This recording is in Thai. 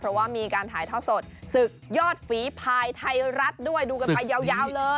เพราะว่ามีการถ่ายทอดสดศึกยอดฝีภายไทยรัฐด้วยดูกันไปยาวเลย